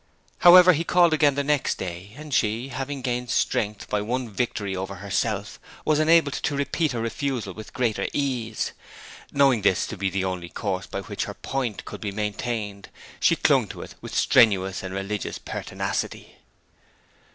However, he called again the next day, and she, having gained strength by one victory over herself, was enabled to repeat her refusal with greater ease. Knowing this to be the only course by which her point could be maintained, she clung to it with strenuous and religious pertinacity.